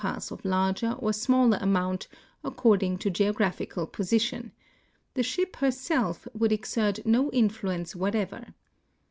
ss of larger or smaller amount according to geographical position— the ship herself would exert no intluence wliatever.